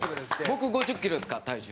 僕５０キロですから体重。